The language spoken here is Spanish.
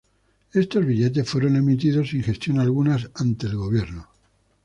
Estos billetes fueron emitidos sin gestión alguna ante el gobierno.